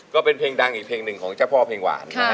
ก็เป็นเพลงดังอีกเพลงของจ๊ะเพราะเพลงหวาน